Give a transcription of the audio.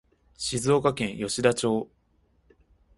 静岡県吉田町